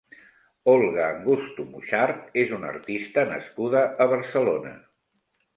Olga Angusto Muxart és una artista nascuda a Barcelona.